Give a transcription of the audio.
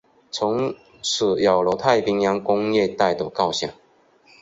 从此有了太平洋工业带的构想。